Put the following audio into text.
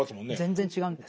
全然違うんですよ。